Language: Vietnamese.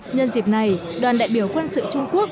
nhân dịp này đoàn đại biểu quân sự trung quốc